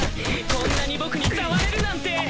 こんなに僕に触れるなんて。